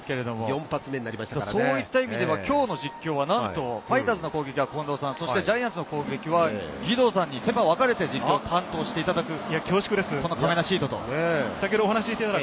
今日の実況はなんとファイターズの攻撃は近藤さん、ジャイアンツの攻撃は義堂さんにセ・パ分かれて実況を担当していただくと。